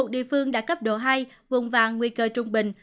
một mươi một địa phương đạt cấp độ hai vùng vàng nguy cơ trung bình